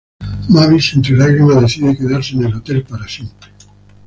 Mavis, entre lágrimas decide quedarse en el hotel para siempre.